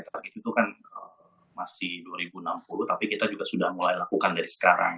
target itu kan masih dua ribu enam puluh tapi kita juga sudah mulai lakukan dari sekarang